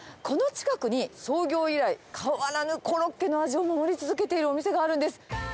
この近くに、創業以来、変わらぬコロッケの味を守り続けているお店があるんです。